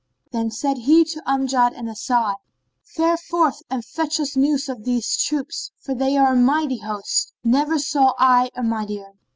Then said he to Amjad and As'ad, "Fare forth and fetch us news of these troops, for they are a mighty host, never saw I a mightier."